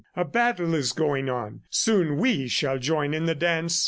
A battle is going on. Soon we shall join in the dance."